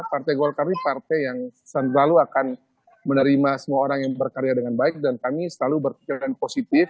partai golkar ini partai yang selalu akan menerima semua orang yang berkarya dengan baik dan kami selalu berpikiran positif